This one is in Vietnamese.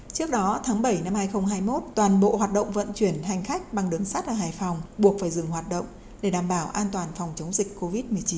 trước đó tháng bảy năm hai nghìn hai mươi một toàn bộ hoạt động vận chuyển hành khách bằng đường sắt ở hải phòng buộc phải dừng hoạt động để đảm bảo an toàn phòng chống dịch covid một mươi chín